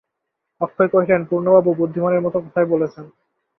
অক্ষয় কহিলেন, পূর্ণবাবু বুদ্ধিমানের মতো কথাই বলেছেন।